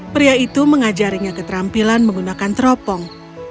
pria itu mengajarinya keterampilan menggunakan teropong